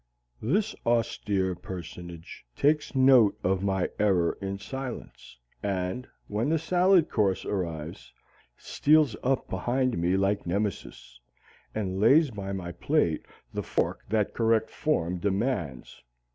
This austere personage takes note of my error in silence, and, when the salad course arrives, steals up behind me like Nemesis, and lays by my plate the fork that correct form demands.